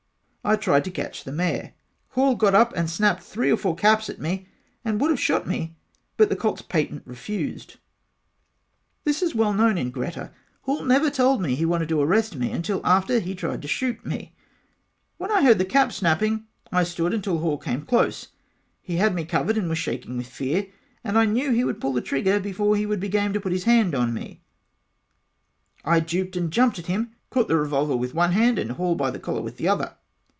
I tried to catch the mare. Hall got up and snapped three or four caps at me and would have shot me but the colts patent refused. This is well known in Greta Hall never told me he wanted to arrest me until after he tried to shoot me when I heard the caps snapping I stood until Hall came close he had me covered and was shaking with fear and I knew he would pull the trigger before he would be game to put his hand on me so I duped, and jumped at him caught the revolver with one hand and Hall by the collar with the other.